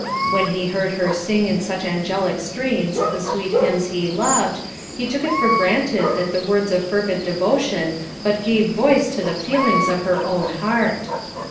When he heard her sing in such angelic strains the sweet hymns he loved, he took it for granted that the words of fervent devotion but gave voice to the feelings of her own heart.